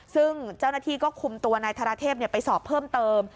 ซึ่งเจ้าหน้าที่ก็คุมตัวนายธรเทพไปสอบเพิ่มเติม